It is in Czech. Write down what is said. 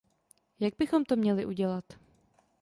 Jak bychom to měli udělat?